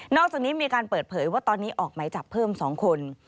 อกจากนี้มีการเปิดเผยว่าตอนนี้ออกไหมจับเพิ่ม๒คน